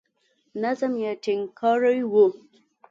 نظم یې ټینګ کړی وو.